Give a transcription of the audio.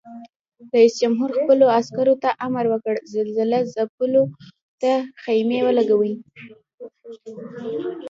رئیس جمهور خپلو عسکرو ته امر وکړ؛ زلزله ځپلو ته خېمې ولګوئ!